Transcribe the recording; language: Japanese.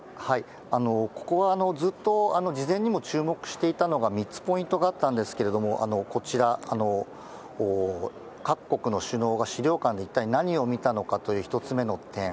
ここはずっと事前にも注目していたのが３つポイントがあったんですけれども、こちら、各国の首脳が資料館で一体何を見たのかという１つ目の点。